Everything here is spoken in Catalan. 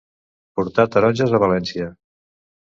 Portar taronges a València.